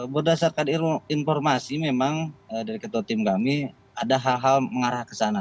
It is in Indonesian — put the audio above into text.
berdasarkan informasi memang dari ketua tim kami ada hal hal mengarah ke sana